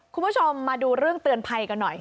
คุณผู้ชมมาดูเรื่องเตือนภัยกันหน่อย